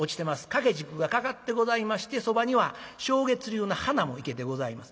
掛け軸がかかってございましてそばには松月流の花も生けてございます。